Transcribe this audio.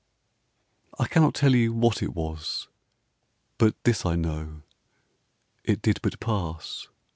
I cannot tell you what it was, But this I know: it did but pass.